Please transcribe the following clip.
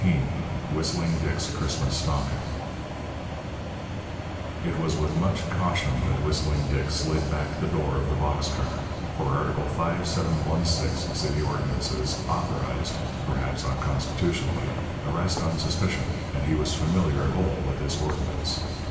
XIX WHISTLING DICK'S CHRISTMAS STOCKING It was with much caution that Whistling Dick slid back the door of the box car, for Article 5716, City Ordinances, authorized (perhaps unconstitutionally) arrest on suspicion, and he was familiar of old with this ordinance.